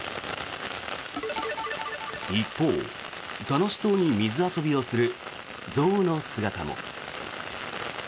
一方、楽しそうに水遊びをする象の姿も。